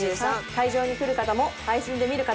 会場に来る方も配信で見る方も。